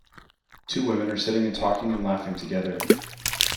Two women are sitting and talking and laughing together.